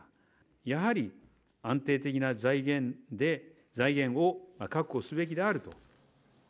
やはり安定的な財源で、財源を確保すべきであると。